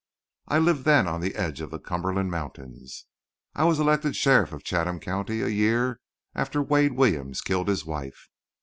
I lived then on the edge of the Cumberland mountains. I was elected sheriff of Chatham County a year after Wade Williams killed his wife.